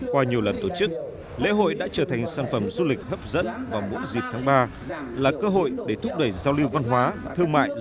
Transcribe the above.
qua nhiều lần tổ chức lễ hội đã trở thành sản phẩm du lịch hấp dẫn vào mỗi dịp tháng ba là cơ hội để thúc đẩy giao lưu văn hóa thương mại